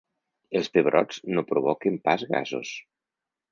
Els pebrots no provoquen pas gasos.